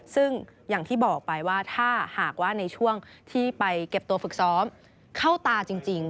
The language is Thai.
ซึ่งอย่างที่บอกไปว่าถ้าหากว่าในช่วงที่ไปเก็บตัวฝึกซ้อมเข้าตาจริง